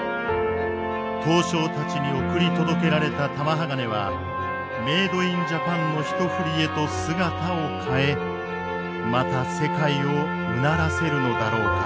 刀匠たちに送り届けられた玉鋼はメードインジャパンの１ふりへと姿を変えまた世界をうならせるのだろうか。